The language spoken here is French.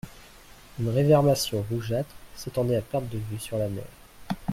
Une réverbération rougeâtre s'étendait à perte de vue sur la mer.